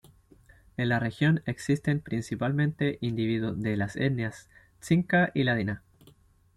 En la región existen principalmente individuos de las etnias xinca y ladina.